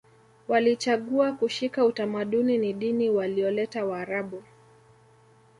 Walichagua kushika utamaduni ni dini walioleta waarabu